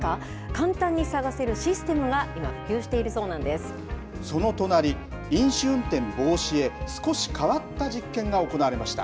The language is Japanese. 簡単に探せるシステムが今、その隣、飲酒運転防止へ、少し変わった実験が行われました。